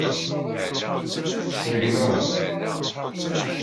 Tzegled.